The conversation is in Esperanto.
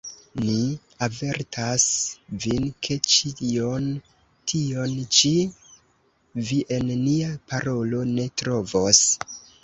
Ni avertas vin, ke ĉion tion ĉi vi en nia parolo ne trovos.